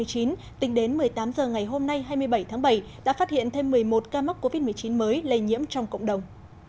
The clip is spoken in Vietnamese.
tính đến một mươi tám h ngày hôm nay hai mươi bảy tháng bảy đã phát hiện thêm một mươi một ca mắc covid một mươi chín mới lây nhiễm trong cộng đồng